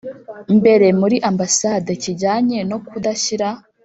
mbere muri ambasade kijyanye no kudashyira